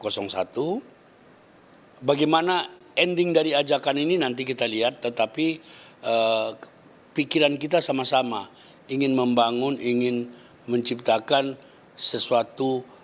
bagaimana ending dari ajakan ini nanti kita lihat tetapi pikiran kita sama sama ingin membangun ingin menciptakan sesuatu